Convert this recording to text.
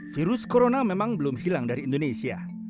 virus corona memang belum hilang dari indonesia